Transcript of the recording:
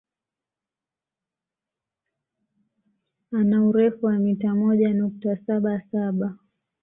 Ana urefu wa mita moja nukta saba saba